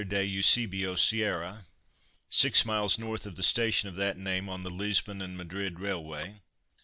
de Eusebio Sierra_), 6m. N. of the station of that name on the Lisbon and Madrid Railway.